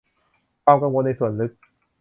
ความกังวลในส่วนลึก